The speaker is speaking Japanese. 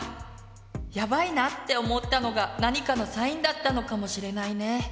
「やばいな」って思ったのが何かのサインだったのかもしれないね。